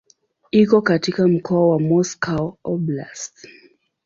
Iko katika mkoa wa Moscow Oblast.